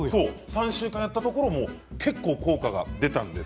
３週間やったところ効果が出たんです。